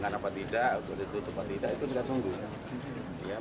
sidangan apa tidak itu tidak tunggu